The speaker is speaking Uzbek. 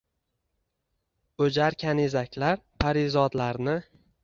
O’jar kanizaklar, parizodlarni